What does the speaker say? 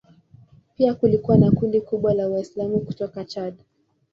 Pia kulikuwa na kundi kubwa la Waislamu kutoka Chad.